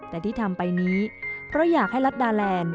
แต่ที่ทำไปนี้เพราะอยากให้รัฐดาแลนด์